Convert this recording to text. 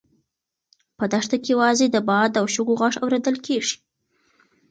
په دښته کې یوازې د باد او شګو غږ اورېدل کېږي.